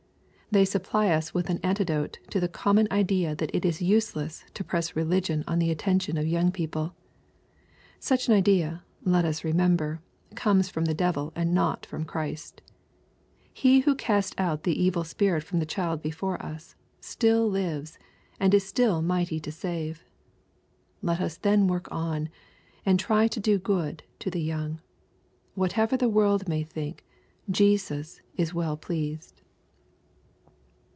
They supply us with an antidote to the common idea that it is useless to press religion on the attention of young people. Such an idea, let us remember, comes from the devil and not from Christ. He who cast out the evil spirit from the child before us, still lives, and is still mighty to save. Let us then work on, and try to do good to the young. Whatever the world may think, Jesas is well pleased.